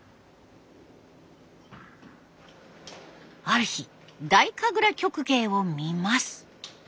ある日太神楽曲芸を見ます。